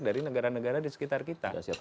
dari negara negara disekitar kita